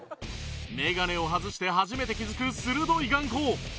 メガネを外して初めて気づく鋭い眼光！